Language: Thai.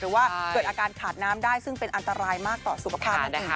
ว่าเกิดอาการขาดน้ำได้ซึ่งเป็นอันตรายมากต่อสุขภาพนั่นเอง